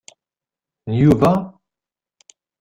N Yuba?